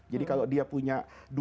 jadi kalau dia punya